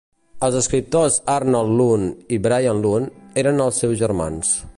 Els escriptors Arnold Lunn i Brian Lunn eren els seus germans.